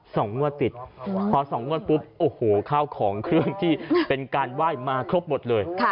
สองงวดติดพอสองงวดปุ๊บโอ้โหข้าวของเครื่องที่เป็นการไหว้มาครบหมดเลย